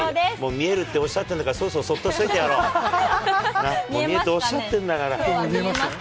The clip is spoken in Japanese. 見えるっておっしゃってるんだから、そろそろそっとしておいてやろう。見えますかね。